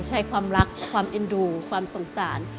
ใช้ความรักความเอ็นดูความสงสาร